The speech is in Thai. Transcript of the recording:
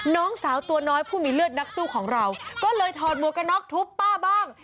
น้องสาวตัวน้อยผู้มีเลือดนักสู้ของเราก็เลยถอดหมวกกระน็อกทุบป้าบ้าง